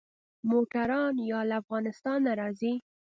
موټران يا له افغانستانه راځي.